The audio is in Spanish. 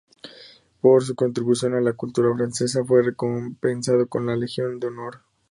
Por su contribución a la cultura francesa fue recompensado con la Legión de Honor.